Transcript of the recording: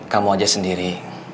kamu aja sendiri